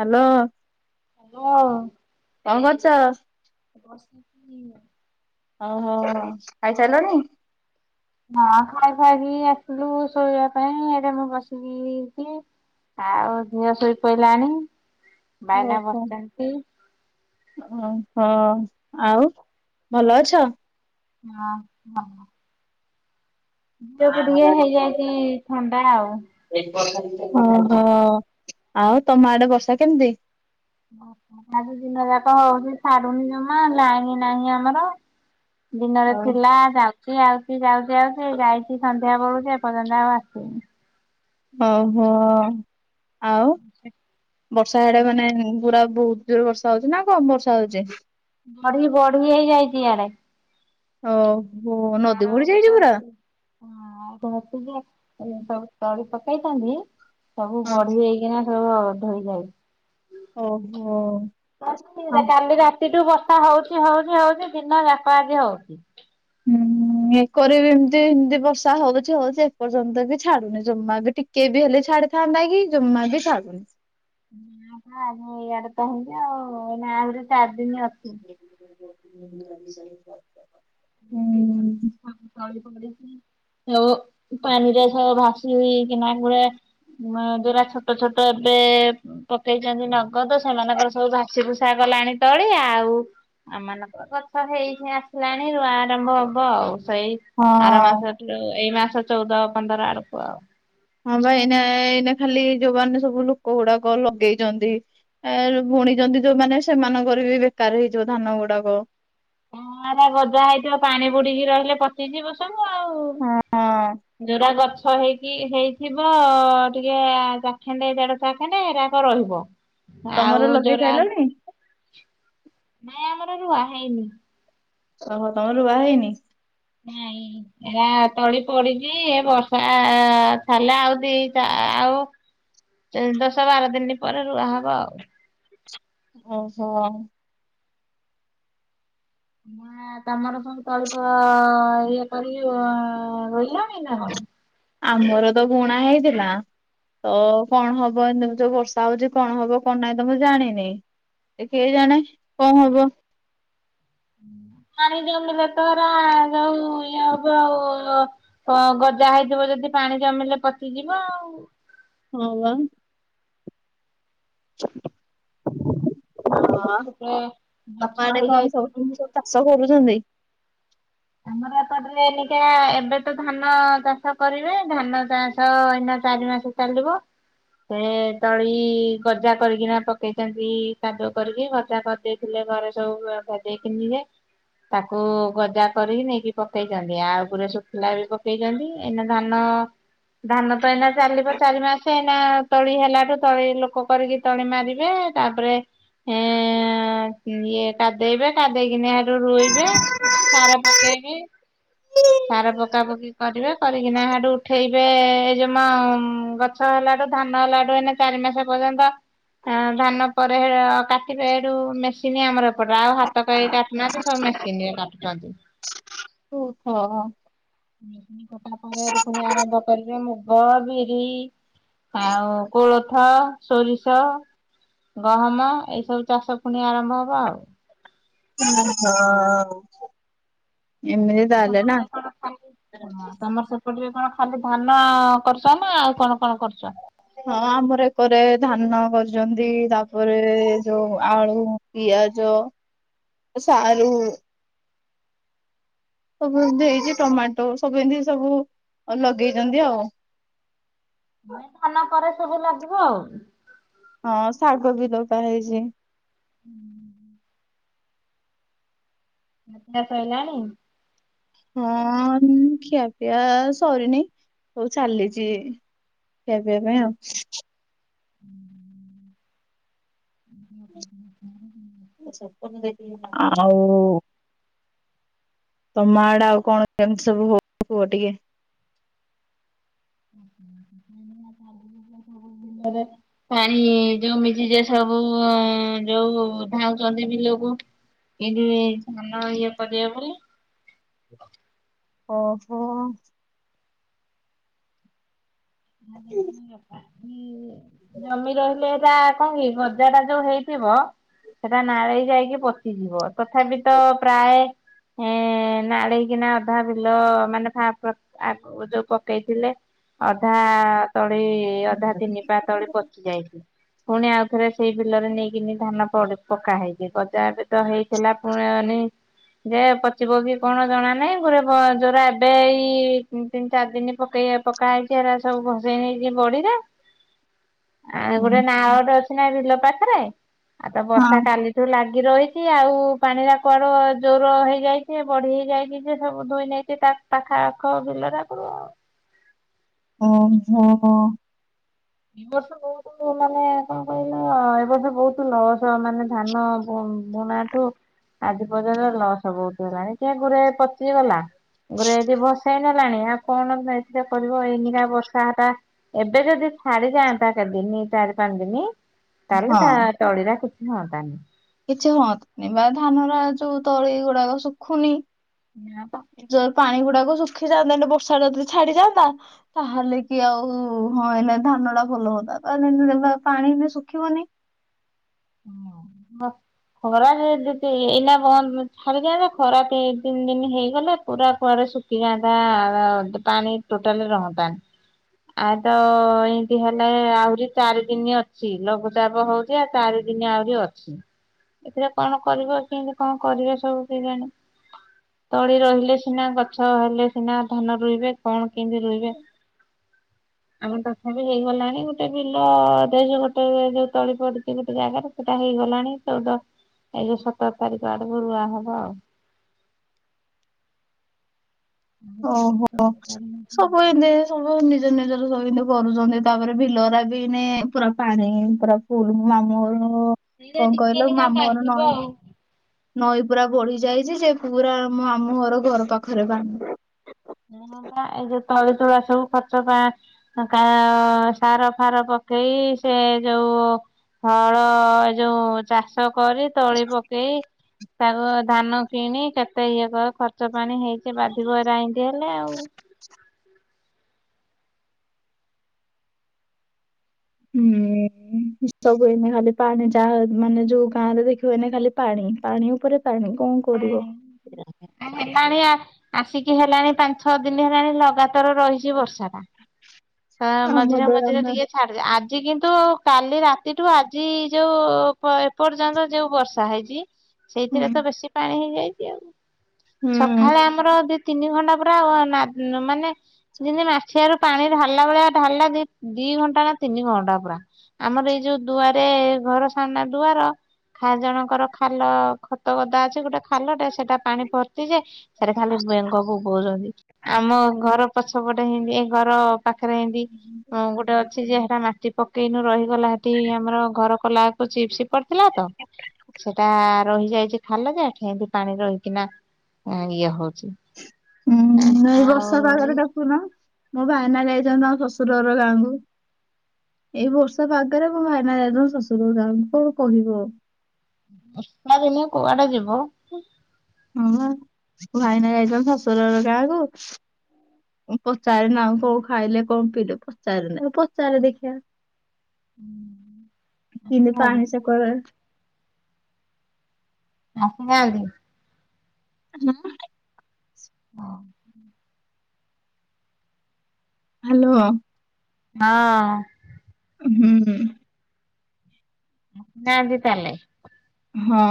Hello. Hello. କଣ କରୁଛ? [unintelligible] ଓହୋ ଖାଇସାରିଲଣି? ନା ଖାଇ ସାରିକି ଆସିଲୁ ଶୋଇବା ପାଇଁ ଏଇଟା ମୁଁ ବସିକି ଆଉ ଝିଅ ଶୋଇ ପଇଲାାଣି, ବାଇନା ବସିଛନ୍ତି। ଓହୋ ଆଉ ଭଲ ଅଛ? ହଁ ହଁ। ଝିଅକୁ ଟିକେ ହେଇଯାଇଛି ଥଣ୍ଡା ଆଉ। ଓହୋ, ଆଉ ତମ ଆଡେ ବର୍ଷା କେମିତି? ଆଜି ଦିନଯାକ ହଉଛି ଛାଡୁନି ଜମା ଲାଇନ୍ ନାହିଁ ଆମର ଦିନରେ ଥିଲା ଯାଉ ସେ ଆଉଛି ଯାଉଛି ଆଉଛି, ଯାଇଛି ସନ୍ଧ୍ୟା ବେଳୁ ଯେ ଏପର୍ଯ୍ୟନ୍ତ ଆଉ ଆସିନି। ଓହୋ! ଆଉ, ବର୍ଷା ସିଆଡେ ମାନେ ପୁରା ବହୁତ୍। ଜୋର ବର୍ଷା ହଉଛି ନା କମ ବର୍ଷା ହଉଛି? ବଢି ବଢି ହେଇଯାଇଚି ଇଆଡେ। ଓହୋ! ନାଳ ନଦୀ ବଢି ଗୋଟେ ଯାଇଚି ପୁରା? ଅଛି ହଁ ଆଉ [unintelligible] ଯେ ସବୁ ତଳି ପକେଇଥାନ୍ତି ସବୁ ବଢି ହେଇକିନା [unintelligible] ଧୋଇ ଯାଇ ଓହୋ କାଲି ହଁ ଯା କାଲି ରା ସେଉଠୁ ବର୍ଷା ହଉଛି ହଉଛି ହଉଛି ଦିନ ଯାକ ଆଜି ହଉଛି। ହୁଁ, ଏକରେ ବି ଏମିତି ଏମିତି ବର୍ଷା ହଉଛି ହଉଛି ଏପର୍ଯ୍ୟନ୍ତ ବି ଛାଡୁନି ଜମା ବି ଟିକ କେ ବି ହେଲେ ଛାଡିଥାନ୍ତା କି ଜମା ବି ଛାଡୁନି। [inaudible] ଆମ ଇଆଡେ ତ ହେମତି ଆଉ ଏଇନା ଆହୁରି ଚାରି ଦିନ ଅଛି। ହୁଁ। [inaudible] ଆଉ ପାଣିରେ ସବୁ ଭାସିକିନା କୂଳେ ମା ଯୋରା ଛୋଟ ଛୋଟ ଏବେ ପକେଇଚନ୍ତି ନଗଦ ସେମାନଙ୍କର ସବୁ ଭାସି ଭୁସା ଗଲାଣି ତଳି ଆଉ। ଆମମାନନଙ୍କର ଗଛ ହେଇ ହେ ଆସିଲାଣି ରୁଆ ଆରମ୍ଭ ହବ ଆଉ। ସେଇ ହଁ ଆର ମାସ ଯୋଉ ଏଇ ମାସ ଚଉଦ ପନ୍ଦର ଆଡକୁ ଆଉ। ହଁ ବା ଏଇନା ଏଇନା ଖାଲି ଯୋଉ ବାନେ ସବୁ ଲୋକ ଗୁଡାକ ଲଗେଇଚନ୍ତି। ଏ ବୁଣିଚନ୍ତି ଯୋଉମାନେ ସେମାନଙ୍କର ବି ବେକାର ହେଇଯିବ ଧାନ ଗୁଡାକ। ହଁ ରା ଗଜା ହେଇଥିବ ପାଣି ବୁଡିକି ରହିଲେ ପଚିଯିବ। [unintelligible] ଆଉ ହଁ ଯୋଉରା ଗଛ ହେଇକି ହେଇ ଥିବ ଟିକେ ଆ, ଚାଖେଣ୍ଡେ ଦେଢ ଚାଖଣ୍ଡେ ହେରାକ ରହିବ। ତମର ଆଉ ଲଗେଇ ଯୋରା ସାରିଲଣି ନାଇଁ ଆମର ରୁଆ ହେଇନି। ଓହୋ ତୋମର ରୁଆ ହେଇନି। ନାଇଁ। ଏରା ତଳି ପଡିଚି ଏ ବର୍ଷା ଛାଡିଲେ ଆଉ ଦି ଟା ଆଉ ଯୋଉ ଦଶ ବାର ଦିନ ପରେ ରୁଆ ହବ ଆଉ। ଓହୋ! ନା ତୋମର ସବୁ ତଳି ପୁଆ ଇଏ କରି ରୋଇ ଲଣି ନା କଣ? ଆମର ତ ବୁଣା ହେଇଥିଲା। ତ କଣ ହବ ଏମିତି ଯୋଉ ବର୍ଷା ହଉଚି କଣ ହବ କଣ ନାଇ ତ ମୁଁ ଜାଣିନି। ଏ କେ ଜାଣେ କଣ ହବ? ପାଣି ଜମିଲେ ତ ଏରା ଯୋଉ ଇଏ ହବ ଆଉ ହଁ ଗଜା ହେଇଥିବ ଯଦି ପାଣି ଜମିଲେ ପଚିଯିବ ଆଉ। ହଁ ବା। ଅଁ, ଛୋଟ ଗଛ ଆଡେ କଣ ସବୁ ହେଇଯାଇଥିବ ଜିନିଷ ଚାଷ କରୁଛନ୍ତି। ଆମର ଏପଟରେ ଏନିକା ଏବେ ତ ଧାନ ଚାଷ କରିବେ। ଧାନ ଚାଷ ଏଇନା ଚାରି ମାସ ଚାଲିବ। ସେ ତଳି ଗଜା କରିକିନା ପକେଇଚନ୍ତି କାଦୁଅ କରିକି ଗଜା କରିଦେଇ ଥିଲେ ଘରେ ସବୁ ଗୁଡା ଭଜେଇକି ନିଏ ତାକୁ ଗଜା କରିକି ନେଇକି ପକେଇଚନ୍ତି ଆଉ ପୁରା ଶୁଖିଲା ବି ପକେଇଚନ୍ତି। ଏଇନା ଧାନ ଧାନ ତ ଏଇନା ଚାଲିବ ଚାରି ମାସ ଏଇନା ତଳି ହେଲାଠୁ ତଳି ଲୋକ କରିକି ତଳି ମାରିବେ, ତାପରେ ହେଁ, ଇଏ କାଦେଇବେ, କାଦେଇକିନି ସେଇଠୁ ରୁଇବେ। ସାର ପକେଇବେ। ହ [inaudible] ସାର ପକା ପକି କରିବେ। କରିକିନା ହେଠୁ ଉଠେଇବେ ଏଇ ଯୋଉ ମୋ ଗ ଛ ହେଲାଠୁ ଧାନ ହେଲାଠୁ ଏଇନା ଚାରି ମାସ ପର୍ଯ୍ୟନ୍ତ ଆ, ଧାନ ପରେ ହେ କାଟିବେ ହେଠୁ ମେସିନ୍ ଆମର ଏପଟର ଆଉ ହାତ କେହି କାଟୁ ନାହାନ୍ତି ସବୁ ମେସିନ୍ ରେ କାଟୁ। ଓହୋ ହଁ। କଟା ପରେ ପୁଣି ଆରମ୍ଭ କରିବେ ମୁଗ, ବିରି ଆଉ କୋଳଥ, ସୋରିଷ ଗହମ। ଏଇ ସବୁ ଚାଷ ପୁଣି ଆରମ୍ଭ ହବ ଆଉ। [inaudible] ହଁ। ଏମିତି [unintelligible] ତାହେଲେ ନା ତମର ସେପ ସେପଟରେ କଣ ଖାଲି ଧାନ କରୁଚ ନା, ଆଉ କଣ କଣ କରୁଛ? ହଁ ଆମର ଏକରେ ଧାନ କରୁଛନ୍ତି, ତାପରେ ଏ ଯୋଉ ଆଳୁ ପିଆଜ, ସାରୁ ସବୁ ଏମତି ହେଇଛି ଟମାଟୋ, ସବୁ ଏମତି ସବୁ ଲଗେଇଛନ୍ତି ଆଉ। ଧାନ ପରେ ସବୁ ଲାଗିବ ଆଉ। ହଁ ଶାଗ ବି ଦଗା ହେଇଛି। ହୁଁ [inaudible] ଖିଆ ସଇଲାଣି? ହଁ ଖିଆପିଆ ସରିନି, ହଉ ଚାଲିଚି ଖିଆପିଆ ପାଇଁ ଆଉ। [inaudible] [inaudible] ଆଉ ତମ ଆଡେ ଆଉ କଣ କେମତି ସବୁ ହଉ କୁହ ଟିକେ? [inaudible] [inaudible] ହେରେ ପାଣି ଯୋଉ ମିଜି ଯାଏ ସବୁ ଉମ୍ ଯୋଉ ଧାଉଚନ୍ତି ବିଲକୁ ଏଇଠୁ ଇଏ ଧାନ ଇଏ କରିବେ ବୋଲି ଓହୋ। [unintelligible] ଜମି ରହିଲେ ହେଇରା କଣ କି, ଗଜାଟା ଯୋଉ ହେଇଥିବ ସେଟା ନାଳେଇ ଯାଇକି ପଚିଯିବ, ତଥାପି ତ ପ୍ରାୟେ ଏଁ ନାଳେଇକିନା ଅଧା ବିଲ ମାନେ ଫା-ପା-ପା ଆଗ ଯୋଉ ପକେଇଥିଲେ ଅଧା ତଳି ଅଧା ତିନି ପା ତଳି ପଚି ଯାଇଚି। ପୁଣି ଆଉ ଥରେ ସେଇ ବିଲରେ ନେଇକିନି ଧାନ ପଡ଼ି ପକା ହେଇଛି। ଗଜା ଏବେ ତ ହେଇ ଥିଲା ପୁଣି ଅନେଇ ଯେ ପଚିବ କି କଣ ଜଣା ନାହିଁ, ଗୁରେ ବୋ ଯୋଉରା ଏବେ ଏଇ ତିନ୍ ଚାରି ଦିନି ପକେଇଆ ପକା ହେଇଚି ଚି ଏଇରା ସବୁ ଭସେଇ ନେଇଚି ବଢିରେ, ଆଉ ଗୋଟେ ହଁ। ନାଳଟେ ଅ ଛିନା ବିଲ ପାଖରେ, ଆଉ ତ ବର୍ଷା କାଲି ଏଠୁ ଲାଗି ରହିଛି, ଆଉ ପାଣିରା କୁଆଡୁ ଜୋରୋ ହେଇଯାଇଛି ବଢି ହେଇଯାଇଛି ଯେ ସବୁ ଧୋଇ ନେଇଛି ତା ପାଖାଆଖ ବିଲରାକୁ ଆଉ। ଓହୋ। ଦି ବର୍ଷ ହଉ ମୁଁ ମାନେ କଣ କହିଲ, ଏ ବର୍ଷ ବହୁତ ଲସ ମାନେ ଧାନ ବୁ-ବୁଣାଠୁ ଆଜି ପର୍ଯ୍ୟନ୍ତ ଲସ ବହୁତୁ ହେଲାଣି। ସେଗୁରେ ପଚି ଗଲା ଗୁରେ ଏଠି ଭସେଇ ନେଲାଣି, ଆଉ କଣ ନା ଏଥିରେ କରିବ ଏଇନିକା ବର୍ଷାଟା ଏବେ ଯଦି ଛାଡି ଯାଆନ୍ତା କେତେଦିନ ଚାରି ପାଞ୍ଚଦିନି, ତାହେଲେ ହଁ। ତା ତଳିରା କିଛି ହୁଅନ୍ତାନି। କିଛି ହୁଅନ୍ତାନି ବା ଧାନରା ଯୋଉ ତଳି ଗୁଡାକ ଶୁଖୁନି ସେୟା ବା। ଜୋର୍ ପାଣି ଗୁଡାକ ଶୁଖିଯାନ୍ତା, ଏଇନୁ ବର୍ଷାଟା ଯଦି ଛଡ଼ିଯାନ୍ତା ତାହେଲେ କି ଆଉ ହଁ ଏଇନା ଧାନଟା ଭଲ ହୁଅନ୍ତା। ତା [unintelligible] ପାଣି ବି ଶୁଖିବନି ହଁ ହଁ। ଖରା ଯଦି ଏଇ ଦି ତି ଏଇନା ବନ୍ଦ ବ ଛାଡ଼ିଯାନ୍ତା, ଖରା ଦି ତିନି ଦିନ ହେଇଗଲେ, ପୁରା କୁଆଡେ ଶୁଖି ସେଇ ଗାଁ ଟା, ପାଣି ଟୋଟାଲ୍ ରହନ୍ତା ଆ-ତ ଇନ୍ତି ହେଲେ, ଆହୁରି ଚାରି ଦିନି ଅଛି। ଲଘୁଚାପ ହଉଚି ଚାରି ଦିନି ଆହୁରି ଅଛି। ଏଥିରେ କ'ଣ କରିବ, କିନ୍ତି କ'ଣ କରିବେ ସବୁ କେଜାଣି? ତଳି ରହିଲେ ସିନା, ଗଛ ହେଲେ ସିନା ଧାନ ରୁଇବେ। କ'ଣ କିନ୍ତି ରୁଇବେ? ଆମର ତଥାବି ହେଇଗଲାଣି। ଗୋଟେ ବିଲ ଦେଇଚୁ ଗୋଟେ ଯଉ ତଳି ପଡି ଏଇ ଗୋଟେ ଜାଗାରେ ସେଟା ହେଇଗଲାଣି। ଚଉଦ ଏଇ ଯଉ ସତର୍ ତାରିଖ ଆଡକୁ ରୁଆ ହବ ଆଉ। [inaudible] ସବୁ ନିଜ ନିଜର ସ କରୁଚନ୍ତି। ତା'ପରେ ବିଲରା ବି ନେ ପୁରା ପାଣି ପୁରା ପୁଲୁ ମାମୁଁ ଅର ସେଇଟା କ'ଣ ଟିକେ କଇଲ? ଏଇନିକା ମାମୁଁ ଅର ବାଧିବ ନ ଆଉ ନଈ ପୁରା ବଢି ଯାଇଚି ଯେ, ପୁରା ଆମ ଆମୁଁ ଘର ପାଖରେ ପାଣି। ହଁ! ବା, ଏଯଉ ତଳିତୁଳା ସବୁ ଖର୍ଚ୍ଚ ପା କା ସାର ଫାର ପକେଇ ସେ ଯଉ ହଳ, ଏ ଯଉ ଚାଷ କରି ତଳି ପକେଇ। ତାପ ଧାନ କିଣି, କେତେ ଇଏ କ-ଖର୍ଚ୍ଚ ପାଣି ହେଇଚି। ବାଧିବ ଏରା ଇନ୍ତି ହେଲେ ଆଉ। [inaudible] ସବୁ ଏଇନେ ଖାଲି ପାଣି, ଯାହା ମାନେ ଯଉ ଗାଁ ରେ ଦେଖିବ ଏଇନେ ଖାଲି ପାଣି। ପାଣି ଉପରେ ପାଣି ଙ୍କ କରିବ। ହେଲାଣି ଆ ଆସିକି ହେଲାଣି ପାଞ୍ଚ୍, ଛଅ ଦିନ ହେଲାଣି। ଲଗାତାର ରହିଚି ବର୍ଷା ଟା। ତା, ଆମ ମଝିରେ ଦ୍ୱାରା ମଝିରେ ଆମେ ଟିକେ ଆଜି କିନ୍ତୁ, କାଲି ରାତିଠୁ ଆଜି ଯଉ ପ ଏପର୍ଯ୍ୟନ୍ତ ଯେଉ ବର୍ଷ -ର୍ଷା ହେଇଚି ହୁଁ ସେଇଥିରେ ତ ବେଶୀ ପାଣି ହେଇଯାଇଛି। ଆଉ ହୁଁ ସଖାଳେ ଆମର ତିନି ଘଣ୍ଟା ପୁରା ନା ମାନେ ଯିନ୍ତି ମାଠିଆରୁ ପାଣି ଢାଳିଲା ଭଳିଆ ଢାଳିଲା- ଦିଘଣ୍ଟା ନା ତିନି ଘଣ୍ଟା ପୁରା। ଆମର ଏଇ ଯଉ ଦୁଆରେ ଘର ସାମ୍ନା ଦୁଆର। ଖା ଜଣଙ୍କର ଖାଲ ଖତ ଗଦା ଅଛି, ଗୋଟେ ଖାଲଟେ ସେଟା ପାଣି ଭର୍ତ୍ତି ଯେ ଆମ ଘର ପଛପଟେ ହିନ୍ତି। ଏ ଘର ପାଖରେ ଏନ୍ତି ଗୋଟେ ଅଛି, ଯେ ହେଟା ମାଟି ପକେଇନୁ ରହି ଗଲା ହେଟି, ଆମର ଘର କଲା-କୁ ଚିପ୍ସି ପଡିଥିଲା ତ। ସେଟା ରହିଯାଇଚି ଖାଲ, ଯେ ଏଠି ଏନ୍ତି ପାଣି ରହିକିନା ଇଏ ହଉଚି। ଉୁଁ--ଏଇ ବର୍ଷା ପାଗରେ ଡାକୁନ। ମୋ ଭାଇାନା ଯାଇଚନ୍ତି, ତାଙ୍କ ଶଶୁର ଅର ଗାଁ କୁ। ଏଇ ବର୍ଷା ପାଗରେ ମୋ ଭାଇନା ଯାଇଚନ୍ତି, ଶଶୁର ଗାଁ କୁ। କ'ଣ କହିବ? [inaudible] ହଁ! ବା, ମୋ ଭାଇନା ଯାଇଚନ୍ତି ଶଶୁର ର ଗାଁ କୁ। ପଚାରେ ନା, ଆଉ କ- ଖାଇଲେ କ'ଣ ପିଇଲେ? ପଚାରେ ନା ପଚାରେ ଦେଖିଆ। ଆସିନାହାନ୍ତି [unintelligible] ଆସି ନାଆନ୍ତି? [inaudible] ହଁ। ହାଲୋ। ହଁ। [inaudible] ଆସି ନାନ୍ତି ତା-ଲେ। ହଁ!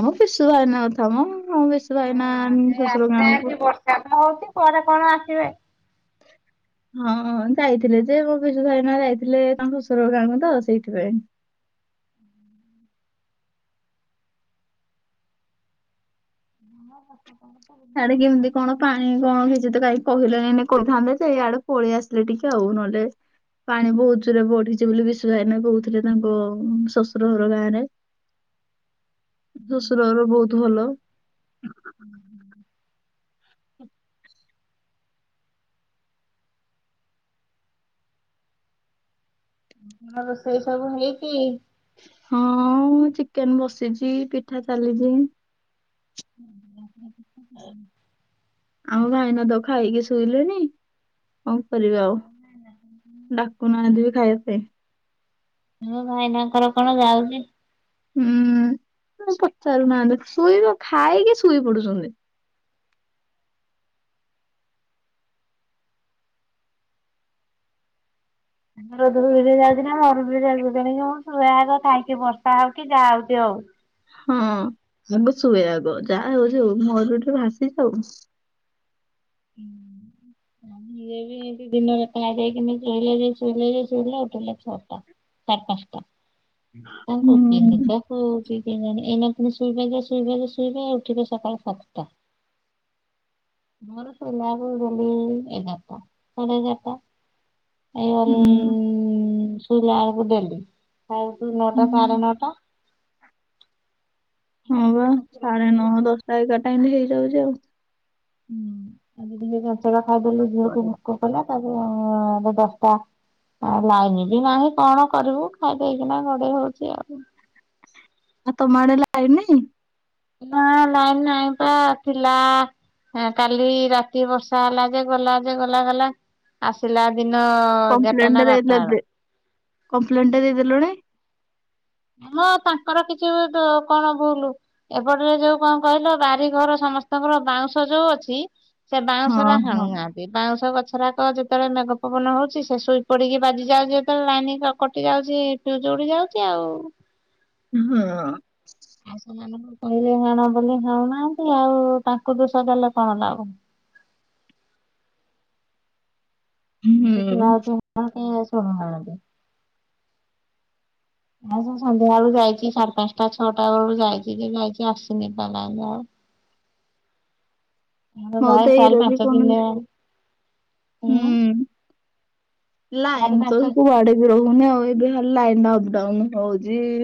ଆମ ପିଶୁ ଭାଇନା କଥା ମ ଆମ ପିଶୁ ଭାଇନା ଶଶୁର ଗାଁ କୁ କାମ ହଉଚି, ପରେ କ'ଣ ଆସିବେ। ହଁ! ଯାଇଥିଲେ ଯେ। ମୋ ପିଶୁ ଭାଇନା ଯାଇଥିଲେ, ତାଙ୍କ ଶ୍ୱଶୁର ଗାଁକୁ ତ ସେଇଥିପାଇଁ। [inaudible] ସାଡ଼େ କିମ୍ତି କ'ଣ ପା ଆଇଁ କଣ କିଛି ତ କାଇ କହିଲେଇ ନେ କରିଥାନ୍ତେ ଯେ ୟାଡ଼େ ପଳିଆସଲେ ଟିକେ ଆଉ ନହେଲେ ପାଣି ବୋହୁତ ଜୋରେ ବଢ଼ିଚି ବୋଲି ବିଶୁ ଭାଇନା କୋହୁଥୁଲେ ତାଙ୍କ ଶଶୁର ହର ଗାଁରେ। ଶଶୁର ହର ବୋହୁତ ଭଲ। ଉଁ ଉଁ ଣ ରୋଷେଇ ସବୁ ହେଇଚି? ହଁ ମୁଁ ଚିକେନ୍ ବସିଚି ପିଠା ଚାଲିଚି। ଓହୋ ଆପଣ ପିଠା ଶିକିନେ ଆମ ଭାଇନା ତ ଖାଇକି ଶୋଇଲେଣି। କଁ କରିବି ଆଉ ଡାକୁନାହନ୍ତି ବି ଖାଇବା ପାଇଁ। ମୋ ଭାଇନାଙ୍କର କଣ ଯାଉଚି? ହୁଁ ଆଉ ପଚାରୁ ନାହାନ୍ତି ଶୋଇବ ଖାଇକି ଶୋଇ ପଡୁ଼ଚନ୍ତି। ଦୂର ଦୂରୁକିରି ଯାଉଚି ନା ବେ ଅରୁରୁରେ ଯାଉ ଜଣେ କିଏ ହୁଅନ୍ତୁ ଏ ଆଗ ଖାଇକି ବର୍ଷା ହଉ କି ଯାହା ହଉଚି ହଉ। ହଁ ଆଗ ଶୁଏ ଆଗ ଯାହା ହୋଉଚି ହୋଉ ମରୁ ଏଠୁ ଭାସିଯାଉ। ଉଁ ଉଁ ଇଏ ବି ଦି ଦିନରେ କାଇଦେଇକିନି ଶୋଇଲେ ଯେ ଶୋଇଲେ ଯେ ଶୋଇଲେ ଉଠିଲେ ଛଅଟା। ଚାର୍ ପାଁଶଟା କଁ କୋଉଚି ହୁଁ ନିଦ ହୋଉଚି କେଜାଣି ଏଇନା ପୁଣି ଶୋଇବେ ଯେ ଶୋଇବେ ଯେ ଶୋଇବେ ଉଠିବେ ସକାଳ ସାତଟା। ମୋର ଶୋଇଲା ଅଳୁ ଡେଲି ଏଗାରଟା ସାଢ଼େ ଏଗାରଟା। ଏଇ ଅଲ୍ ହୁଁ ଶୋଇଲା ଅଳୁକୁ ଡେଲି ଖାଇବୁ ତୁ ନଅଟା ସାଢ଼େ ନଅଟା। ହଁ ହୁଁ ବା ସାଢ଼େ ନଅ ଦଶଟା ଏଗାରଟା ଏନ୍ତି ହେଇଯାଉଚି ଆଉ। ହୁଁ ଏବେ ଟିକେ ଜଚକା ଖାଇଦେଲି ଝିଅକୁ ଭୋକ କଲା ତାପ ଏବେ ଦଶଟା ଅ ଲାଇନ୍ ବି ନାହିଁ କଣ କରିବୁ ଖାଇଦେଇକିନା ଗଡ଼େଇ ହଉଚି ଆଉ। ଆଉ୍ ତମ ଆଡ଼େ ଲାଇନ୍ ନାହିଁ? ନାଁ ଲାଇନ୍ ନାହିଁ ପା ଥିଲା ଏ କାଲି ରାତି ବର୍ଷା ହେଲା ଯେ ଗଲା ଯେ ଗଲା ଗଲା ଆସିଲା ଦିନ ଏଗାରଟା କଂପ୍ଲେନ୍ ନା ଟେ ଦେଇଦେ ବାରଟା ଦେ ଏବେ କଂପ୍ଲେନ୍ ଟେ ଦେଇଦେଲୁଣି? ମ ତାଙ୍କର କିଛି ତୁ କଣ ଭୁଲୁ? ଏପଟରେ ଯୋଉ କଁ କହିଲ ବାରିଘର ସମସ୍ତଙ୍କର ବାଉଁଶ ଯୋଉ ଅଛି ସେ ହଁ ବାଉଁଶରା ହଁ ହାଣୁନାହା ବି ବାଉଁଶ ଗଛରାକ ଯେତଳେ ମେଘ ପବନ ହଉଚି ସେ ଶୋଇ ପଡ଼ିକି ବାଜି ଯାଉଚି ଯେତଳେ ଲାଇନ୍ କ କଟି ଯାଉଚି ର ଯୋଡ଼ି ଯାଉଚି ଆଉ। ଉଁ ହୁଁ। ସେମାନୁଙ୍କୁ କହିଲେ ହାଣ ବୋଲି ହାଣୁନାହାନ୍ତି ଆଉ ତାଙ୍କୁ ଦୋଷ ଦେଲେ କଣ ଲାଭ। ର? ଦୋଳି ଖେଳା ହୁଁ ହୋଉଚି ନିଅତେ ଶୁଣୁ ନାହାନ୍ତି। ଏ ସେ ସନ୍ଧ୍ୟା ଅଳୁ ଯାଇଚି ସାଢ଼େ ପାଁଶଟା ଛଅଟା ଅଳୁ ଯାଇଚି ଯେ ଯାଇଚି ଆସିନି ପା ଲାଇନ୍ ଆଉ। ଆଉ ହଉ ଭାଇ ତ ଏଇ ଚାରି ରୋଜି ପାଞ୍ଚ ପୁଅ ଦିନ ମଲା। ହେଲାଣି ହୁଁ ଲାଇନ୍ ଚାରି ତ ପାଞ୍ଚ କୁଆଡ଼େ ଇ ରହୁନି ଆଉ ଏବେ ହା ଲାଇନ୍ ଟା ଅପଡାଉନ୍ ହଉଚି।